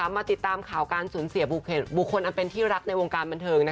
มาติดตามข่าวการสูญเสียบุคคลอันเป็นที่รักในวงการบันเทิง